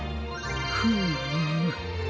フーム。